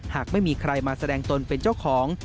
หากไม่มีใครมาแสดงตนเป็นเจ้าของ